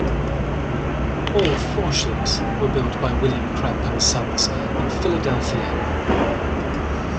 All four ships were built by William Cramp and Sons in Philadelphia.